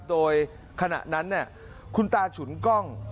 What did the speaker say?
โดยขณะนั้นคุณตาฉุนกล้อง